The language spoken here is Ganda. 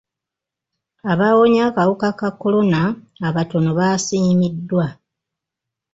Abaawonye akawuka ka kolona abatono basiimiddwa.